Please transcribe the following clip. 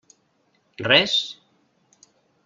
Res?